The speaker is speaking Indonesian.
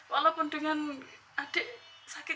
walaupun dengan adik sakit